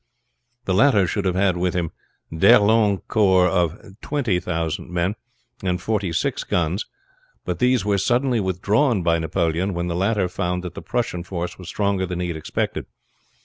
The latter should have had with him D'Erlon's corps of twenty thousand men, and forty six guns, but these were suddenly withdrawn by Napoleon when the latter found that the Prussian force was stronger than he had expected.